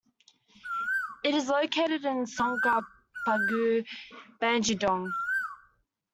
It is located in Songpa-gu, Bangi-dong.